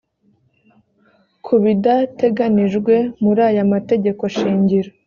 ku bidateganijwe muri aya mategeko shingiro